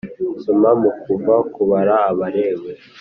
Soma mu Kuva kubara abalewi